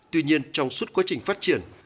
tuy nhiên trong suốt quá trình phát triển